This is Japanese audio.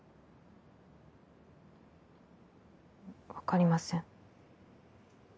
分かりません。